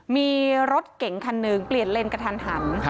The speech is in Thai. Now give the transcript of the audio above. มีรถเก่งคันหนึ่งเปลี่ยนเลนกระทันหัน